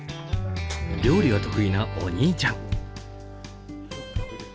料理が得意なお兄ちゃん。